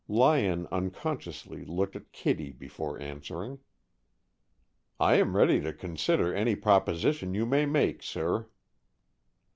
Lyon unconsciously looked at Kittie before answering. "I am ready to consider any proposition you may make, sir."